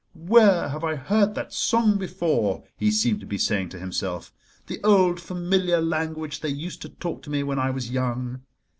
"Where have I heard that song before?" he seemed to be saying to himself, "the old familiar language they used to talk to me when I was young?"